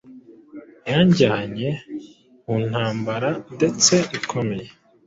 yanjyanye mu ntambarandetse ikomeye